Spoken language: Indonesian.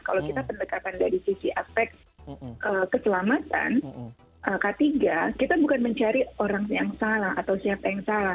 kalau kita pendekatan dari sisi aspek keselamatan k tiga kita bukan mencari orang yang salah atau siapa yang salah